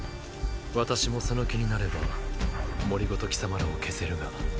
私もその気になれば森ごと貴様らを消せるが？